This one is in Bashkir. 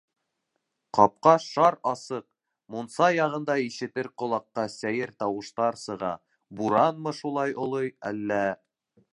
Ҡапҡа шар асыҡ, мунса яғында ишетер ҡолаҡҡа сәйер тауыштар сыға, буранмы шулай олой, әллә...